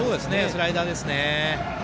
スライダーですね。